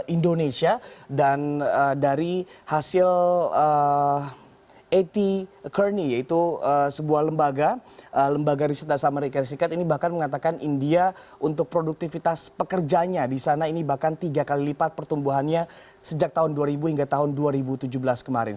indonesia dan dari hasil at curney yaitu sebuah lembaga lembaga riset dasar amerika serikat ini bahkan mengatakan india untuk produktivitas pekerjanya di sana ini bahkan tiga kali lipat pertumbuhannya sejak tahun dua ribu hingga tahun dua ribu tujuh belas kemarin